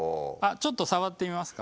ちょっと触ってみますか？